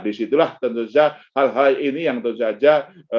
disitulah tentu saja hal hal ini yang tentu saja